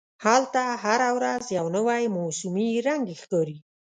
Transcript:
هلته هره ورځ یو نوی موسمي رنګ ښکاري.